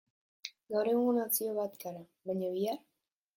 Gaur egun nazio bat gara, baina bihar?